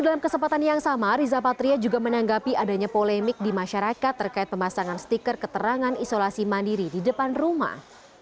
dalam kesempatan yang sama riza patria juga menanggapi adanya polemik di masyarakat terkait pemasangan stiker keterangan isolasi mandiri di depan rumah